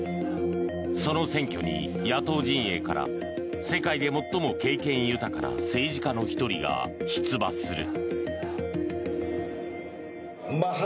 その選挙に野党陣営から世界で最も経験豊かな政治家の１人が出馬する。